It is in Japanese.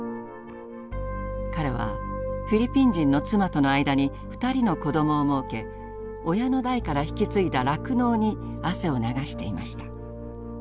彼はフィリピン人の妻との間に２人の子どもをもうけ親の代から引き継いだ酪農に汗を流していました。